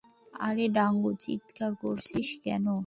আরে গাঙু চিৎকার করছিস কেনো?